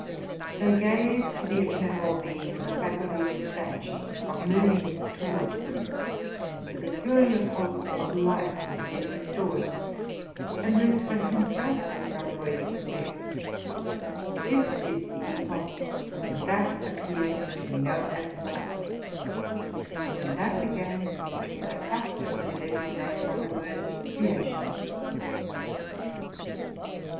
They gave to the Eternal Being the faculty of expansion, of moving towards them: the peculiar pulse of life was again restored, and Lucifer himself could not avoid its effects. This is the epoch when that appeared which we know as light, and when that began which we are accustomed to designate by the word creation.